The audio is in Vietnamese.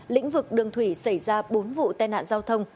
lĩnh vực đường thủy xảy ra bốn vụ tai nạn giao thông